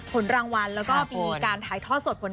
ผลรางวัล